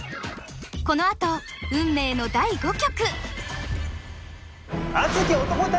このあと運命の第５局。